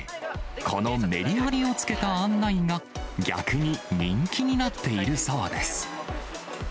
このメリハリをつけた案内が、逆に人気になっているそうです。